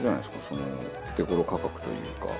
そのお手頃価格というか。